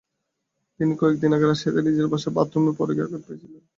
তিনি কয়েক দিন আগে রাজশাহীতে নিজের বাসায় বাথরুমে পড়ে গিয়ে আঘাত পেয়েছিলেন।